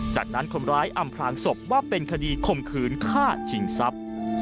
จากนั้นคนร้ายอำพลางศพว่าเป็นคดีข่มขืนฆ่าชิงทรัพย์